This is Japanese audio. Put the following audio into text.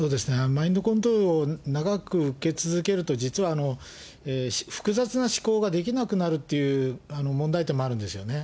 マインドコントロールを長く受け続けると、実は複雑な思考ができなくなるっていう問題点もあるんですよね。